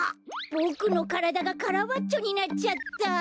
ボクのからだがカラバッチョになっちゃった。